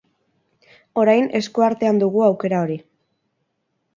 Orain, eskuartean dugu aukera hori.